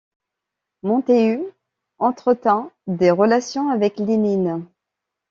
Montéhus entretint des relations avec Lénine.